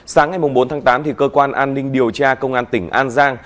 sáng ngày bốn tháng tám cơ quan an ninh điều tra công an tỉnh an giang